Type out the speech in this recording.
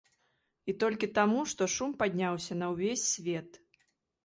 І толькі таму, што шум падняўся на ўвесь свет.